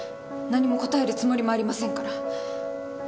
何も答えるつもりもありませんから。